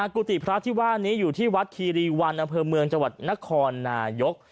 กุฏิพระที่ว่านี้อยู่ที่วัดคีรีวันอำเภอเมืองจังหวัดนครนายก